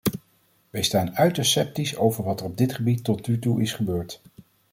Wij staan uiterst sceptisch over wat op dat gebied tot nu toe is gebeurd.